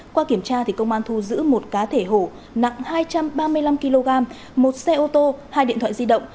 qua kiểm tra công an thu giữ một cá thể hổ nặng hai trăm ba mươi năm kg một xe ô tô hai điện thoại di động